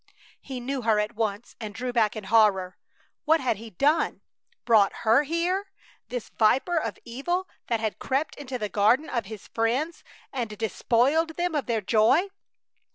He knew her at once and drew back in horror. What had he done! Brought her here, this viper of evil that had crept into the garden of his friends and despoiled them of their joy!